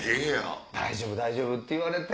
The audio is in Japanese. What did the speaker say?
「大丈夫？大丈夫？」って言われて。